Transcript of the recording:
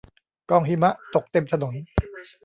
กองหิมะ ตกเต็มถนน